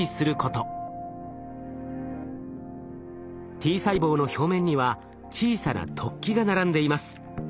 Ｔ細胞の表面には小さな突起が並んでいます。